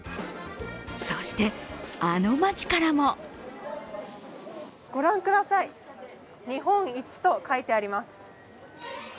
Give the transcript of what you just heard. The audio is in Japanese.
そして、あの町からも御覧ください、「日本一」と書いてあります。